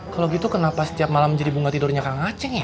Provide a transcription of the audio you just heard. kalau gitu kenapa setiap malam menjadi bunga tidurnya kang aceh ya